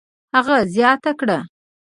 هغه زیاته کړه: